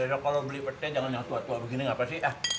besok kalau beli petai jangan yang tua tua begini gak apa apa sih